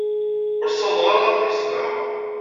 Ur ssawḍeɣ ara ad ten-ḥebseɣ.